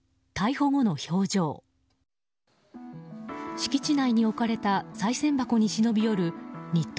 敷地内に置かれたさい銭箱に忍び寄るニット